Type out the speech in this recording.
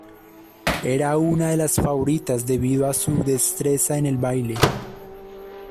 Era una de las favoritas debido a su destreza en el baile.